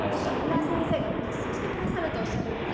木村先生がごちそうしてくださるとおっしゃるので。